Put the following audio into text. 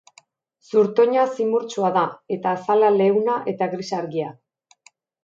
Zurtoina zimurtsua da, eta azala leuna eta gris argia.